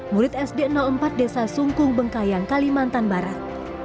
murid sd empat desa sungkung bengkayang kalimantan barat